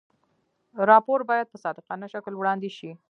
راپور باید په صادقانه شکل وړاندې شي.